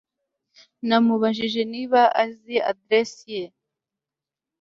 Namubajije niba azi aderesi ye